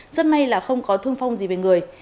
rất may là không có thương vong gì về người